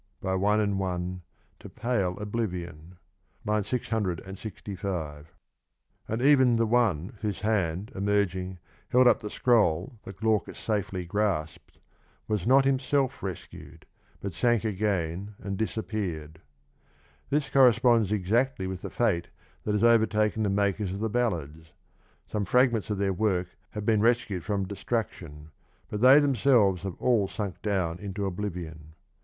By one and one, 1o pale oblivion ; (III. 665) and even the one whose hand, emerging, held up the scroll that Glaucus safely grasped, was not himself rescued, but sank again and disappeared. This corresponds exactly with the fate that has overtaken the makers of the ballads ; some fragments of their work have been rescued from destruction, but they themselves have all sunk down into oblivion.